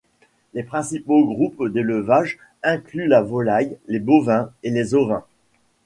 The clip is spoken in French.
Les principaux groupes d'élevage incluent la volaille, les bovins et les ovins.